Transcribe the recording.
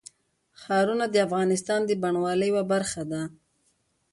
ښارونه د افغانستان د بڼوالۍ یوه برخه ده.